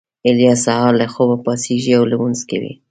الیاس سهار له خوبه پاڅېږي او لمونځ کوي